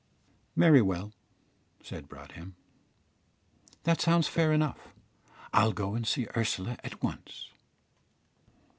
"Very well," said Broadhem, "that sounds fair enough. I'll go and see Ursula at once."